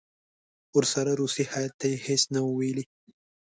ورسره روسي هیات ته یې هېڅ نه وو ویلي.